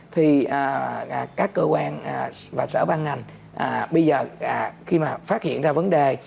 thì các cơ quan và sở ban ngành bây giờ khi mà phát hiện ra vấn đề